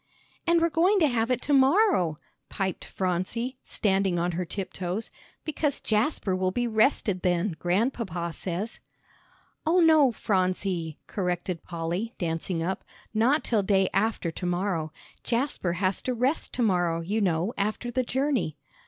"And we're going to have it to morrow," piped Phronsie, standing on her tiptoes. "Because Japser will be rested then, Grandpapa says." "Oh, no, Phronsie," corrected Polly, dancing up, "not till day after to morrow. Jasper has to rest to morrow, you know, after the journey."